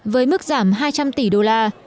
với mức giảm hai trăm linh tỷ usd